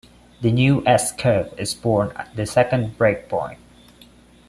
A new S-curve is born at the second breakpoint.